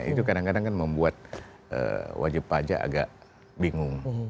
itu kadang kadang kan membuat wajib pajak agak bingung